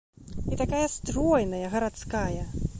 І такая стройная, гарадская.